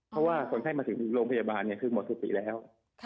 เพราะว่าคนไข้มาถึงโรงพยาบาลคือหมดสติแล้ว